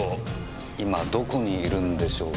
今どこにいるんでしょうか？